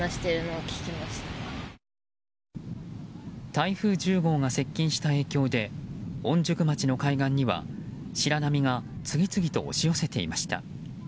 台風１０号が接近した影響で御宿町の海岸には白波が次々と押し寄せていました。